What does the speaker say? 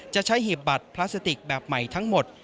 จะใช้หีบบัตรพลาสติกแบบใหม่ทั้งหมด